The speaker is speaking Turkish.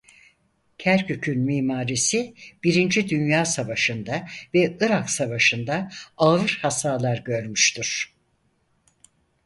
Kerkük'un mimarisi birinci Dünya Savaşı'nda ve Irak Savaşı'nda ağır hasarlar görmüştür.